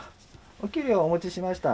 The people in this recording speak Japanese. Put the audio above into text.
お給料をお持ちしました。